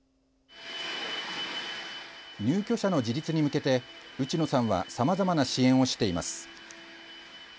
入居者の自立に向けて内野さんはさまざまな支援をしています。